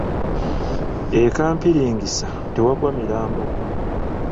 E Kampiringisa tewaggwa mirambo.